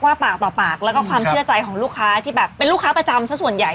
ปากต่อปากแล้วก็ความเชื่อใจของลูกค้าที่แบบเป็นลูกค้าประจำสักส่วนใหญ่